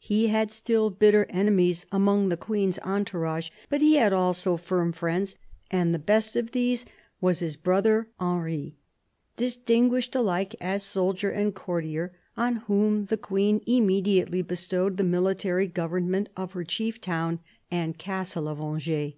He had still bitter enemies among the Queen's entourage, but he had also firm friends, and the best of these was his brother Henry, distinguished alike as soldier and courtier, on whom the Queen immediately bestowed the military government of her chief town and castle of Angers.